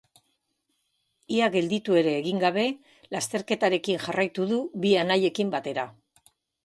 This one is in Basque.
Ia gelditu ere egin gabe, lasterketarekin jarraitu du bi anaiekin batera.